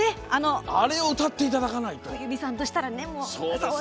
あれを歌っていただかないと。